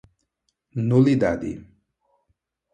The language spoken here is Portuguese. nulidade